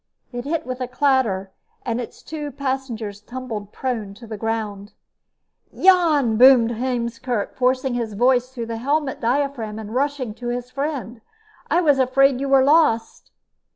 It hit with a clatter and its two passengers tumbled prone to the ground. "Jan!" boomed Heemskerk, forcing his voice through the helmet diaphragm and rushing over to his friend. "I was afraid you were lost!"